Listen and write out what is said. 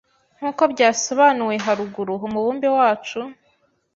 Nkuko byasobanuwe haruguru umubumbe wacu